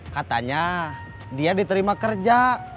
katanya dia diterima kerja